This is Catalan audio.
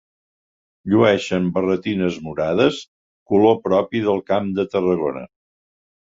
Llueixen barretines morades, color propi del Camp de Tarragona.